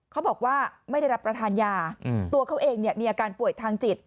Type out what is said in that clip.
เขาบอกว่าไม่ได้รับประทานยาตัวเขาเองมีอาการป่วยทางจิต